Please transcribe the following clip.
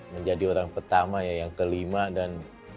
menjadi orang pertama ya yang kelima dan